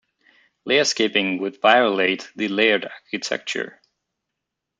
"Layer skipping" would violate the layered architecture.